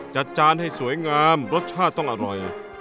จานให้สวยงามรสชาติต้องอร่อย